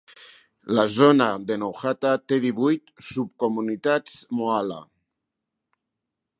La zona de Nowhatta té divuit subcomunitats mohalla.